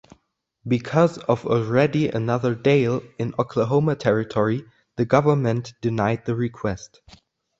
Because of already another "Dail" in Oklahoma Territory, the government denied the request.